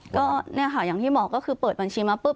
ก็เนี่ยค่ะอย่างที่บอกก็คือเปิดบัญชีมาปุ๊